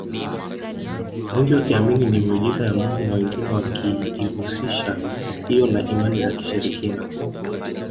Wengi wakiamini ni miujiza ya mungu na wengine wakiihusisha hiyo na imani za kishirikina